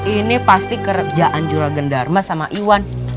ini pasti kerejaan juragan dharma sama iwan